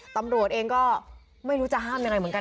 ตำรวจเองก็ไม่รู้จะห้ามยังไงเหมือนกัน